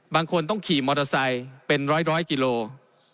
บางคนต้องขี่มอเตอร์ไซค์เป็นร้อยกิโล